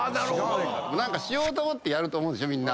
何かしようと思ってやると思うでしょ。